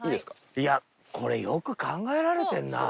いやこれよく考えられてるな。